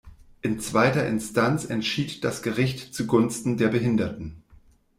In zweiter Instanz entschied das Gericht zugunsten der Behinderten.